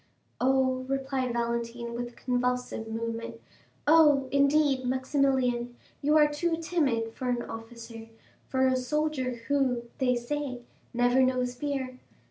"Oh," replied Valentine with a convulsive movement, "oh, indeed, Maximilian, you are too timid for an officer, for a soldier who, they say, never knows fear.